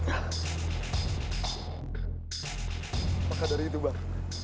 apakah dari itu bang